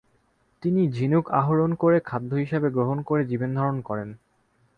তিনি ঝিনুক আহরণ করে খাদ্য হিসেবে গ্রহণ করে জীবনধারন করেন।